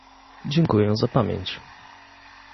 Dziękuję za pamięć.